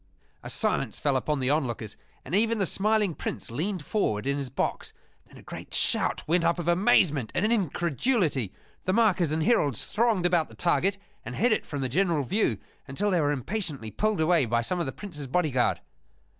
A silence fell upon the onlookers, and even the smiling Prince leaned forward in his box. Then a great shout went up of amazement and incredulity. The markers and heralds thronged about the target and hid it from the general view until they were impatiently pulled away by some of the Prince's bodyguard.